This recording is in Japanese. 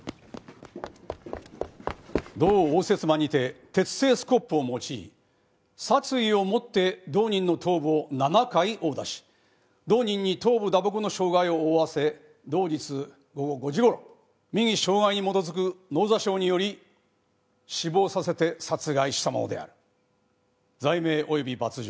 「同応接間にて鉄製スコップを用い殺意を持って同人の頭部を７回殴打し同人に頭部打撲の傷害を負わせ同日午後５時頃右傷害に基づく脳挫傷により死亡させて殺害したものである」「罪名および罰状殺人。